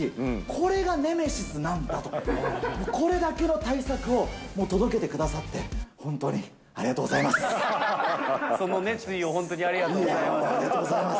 これがネメシスなんだと、これだけの大作をもう、届けてくださって、本当にありがとうござその熱意を本当にありがとうありがとうございます。